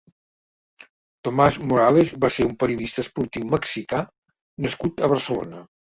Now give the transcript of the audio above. Tomás Morales va ser un periodista esportiu mexicà nascut a Barcelona.